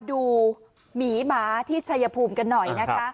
หมีหมาที่ชัยภูมิกันหน่อยนะคะ